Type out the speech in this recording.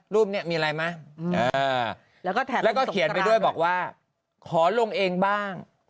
รูปเนี้ยมีอะไรไหมอือแล้วก็แถบแล้วก็เขียนไปด้วยบอกว่าขอลงเองบ้าง